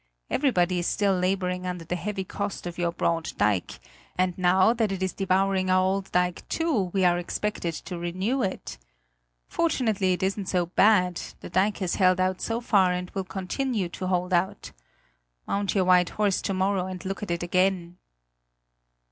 Everybody is still laboring under the heavy cost of your broad dike; and now that is devouring our old dike too we are expected to renew it. Fortunately it isn't so bad; the dike has held out so far and will continue to hold out. Mount your white horse to morrow and look at it again!"